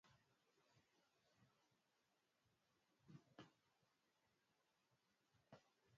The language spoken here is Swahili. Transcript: Oxford na Canterbury kwa mfano wote ni